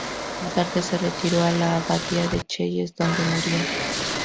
Más tarde, se retiró a la abadía de Chelles donde murió.